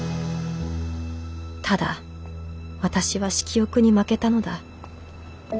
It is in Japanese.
ただ私は色欲に負けたのだ。